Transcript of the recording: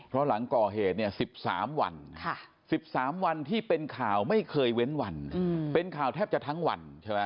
เพราะหลังก่อเหตุเนี่ย๑๓วัน๑๓วันที่เป็นข่าวไม่เคยเว้นวันเป็นข่าวแทบจะทั้งวันใช่ไหม